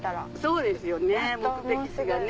そうですよね目的地がね。